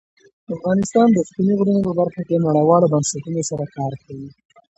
افغانستان د ستوني غرونه په برخه کې نړیوالو بنسټونو سره کار کوي.